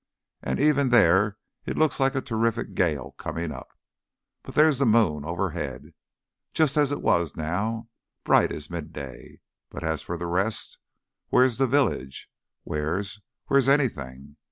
And even there it looks like a terrific gale coming up. But there's the moon overhead. Just as it was just now. Bright as midday. But as for the rest Where's the village? Where's where's anything?